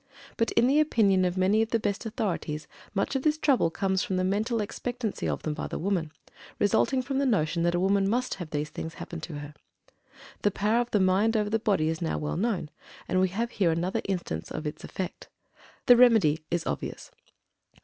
But, in the opinion of many of the best authorities, much of this trouble comes from the mental expectancy of them by the woman, resulting from the notion that a woman must have these things happen to her. The power of the mind over the body is now well known, and we have here another instance of its effect. The remedy is obvious.